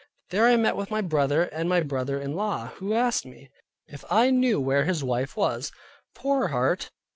There I met with my brother, and my brother in law, who asked me, if I knew where his wife was? Poor heart!